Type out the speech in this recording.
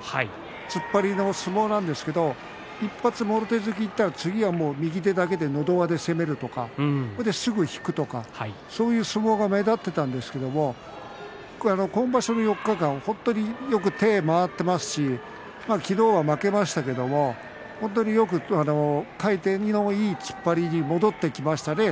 突っ張りの相撲なんですが１発もろ手突きから次は右手だけでのど輪で攻めるとかすぐ引くとかそういう相撲が目立っていたんですが今場所４日間、本当によく頑張っていますし昨日負けましたけれども本当によく回転のいい突っ張りが戻ってきましたね。